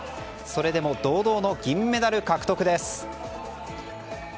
それでも堂々の銀メダル獲得です。